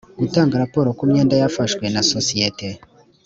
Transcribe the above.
gutanga raporo ku myenda yafashwe na sosiyete